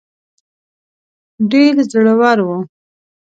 ډېر زړه ور وو.